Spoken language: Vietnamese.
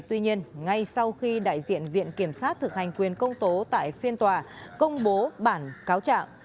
tuy nhiên ngay sau khi đại diện viện kiểm sát thực hành quyền công tố tại phiên tòa công bố bản cáo trạng